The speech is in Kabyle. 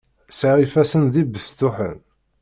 Sεiɣ ifassen d ibestuḥen.